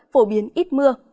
phổ biến ít mưa